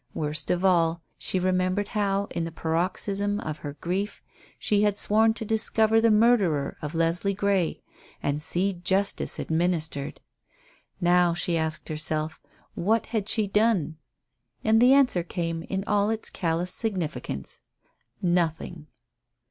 Worst of all, she remembered how, in the paroxysm of her grief, she had sworn to discover the murderer of Leslie Grey and see justice administered. Now she asked herself, What had she done? And the answer came in all its callous significance Nothing!